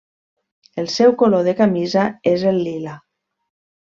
El seu color de camisa és el lila.